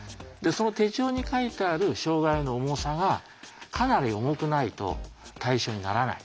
その手帳に書いてある障害の重さがかなり重くないと対象にならない。